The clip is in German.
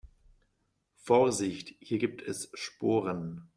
Vorsicht, hier gibt es Sporen.